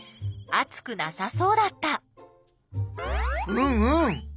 うんうん！